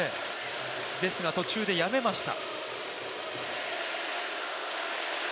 ですが、途中でやめました。